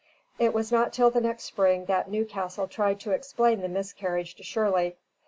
It was not till the next spring that Newcastle tried to explain the miscarriage to Shirley.